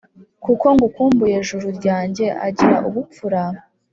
kuko ngukumbuye juru ryanjye.agira ubufura,